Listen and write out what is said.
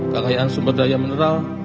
kekayaan sumber daya mineral